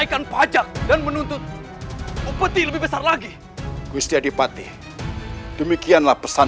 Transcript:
kembali ke penyelamatan